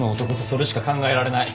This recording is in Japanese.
それしか考えられない。